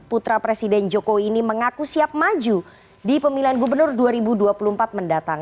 putra presiden jokowi ini mengaku siap maju di pemilihan gubernur dua ribu dua puluh empat mendatang